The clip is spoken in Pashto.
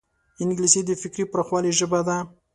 انګلیسي د فکري پراخوالي ژبه ده